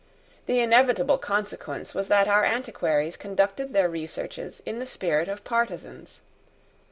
The inevitable consequence was that our antiquaries conducted their researches in the spirit of partisans.